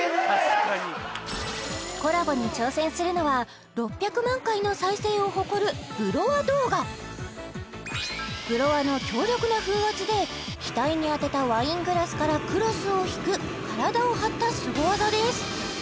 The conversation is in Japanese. コラボに挑戦するのは６００万回の再生を誇るブロワ動画ブロワの強力な風圧で額に当てたワイングラスからクロスを引く体を張ったスゴ技です